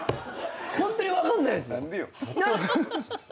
ホントに分かんないです。